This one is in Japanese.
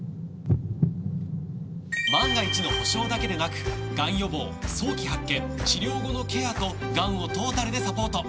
万が一の保障だけでなくがん予防早期発見治療後のケアとがんをトータルでサポート！